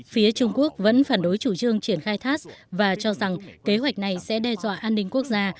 phía trung quốc vẫn phản đối chủ trương triển khai thác và cho rằng kế hoạch này sẽ đe dọa an ninh quốc gia